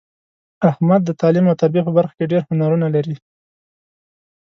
احمد د تعلیم او تربیې په برخه کې ډېر هنرونه لري.